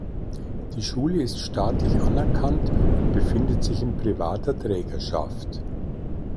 Die Schule ist staatlich anerkannt und befindet sich in privater Trägerschaft.